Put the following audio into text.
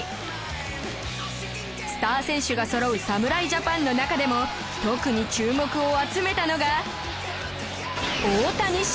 スター選手がそろう侍ジャパンの中でも特に注目を集めたのが